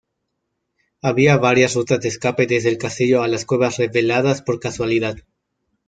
Había varias rutas de escape desde el castillo a las cuevas reveladas por casualidad.